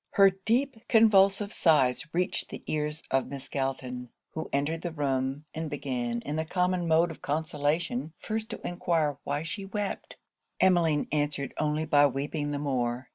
Her deep convulsive sighs reached the ears of Miss Galton; who entered the room, and began, in the common mode of consolation, first to enquire why she wept? Emmeline answered only by weeping the more.